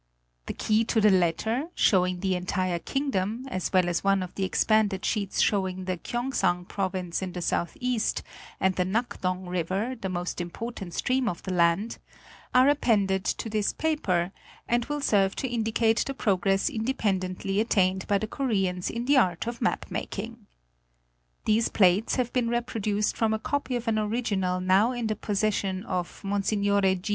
The key to the latter, showing the entire kingdom, as well as one of the expanded sheets showing the Kyongsang province in the southeast, and the Nakdong river, the most important stream of the land, are appended to this paper, and will serve to indicate the progress independently attained by the Koreans in the art of map making. These plates have been reproduced from a copy of an original now in the pos session of Mer.